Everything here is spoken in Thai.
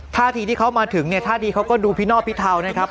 ท่าทีที่เขามาถึงเนี่ยท่าดีเขาก็ดูพินอบพิเทานะครับ